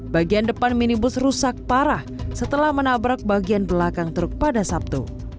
bagian depan minibus rusak parah setelah menabrak bagian belakang truk pada sabtu